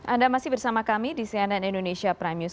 anda masih bersama kami di cnn indonesia prime news